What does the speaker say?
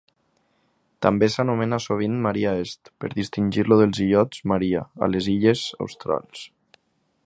També s'anomena sovint Maria Est per distingir-lo dels illots Maria, a les illes Australs.